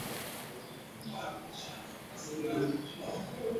Kuchemsha viazi lishe husaidia kuamsha baadhi ya vimengenya